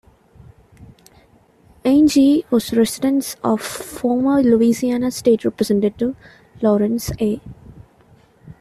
Angie was the residence of former Louisiana State Representative Lawrence A.